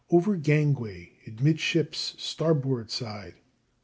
over gangway, amidships, starboard side.